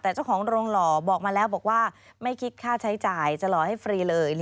แต่เจ้าของโรงหล่อบอกมาแล้วบอกว่าไม่คิดค่าใช้จ่ายจะหล่อให้ฟรีเลย